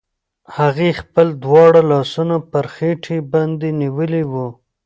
هغې خپل دواړه لاسونه پر خېټې باندې نيولي وو.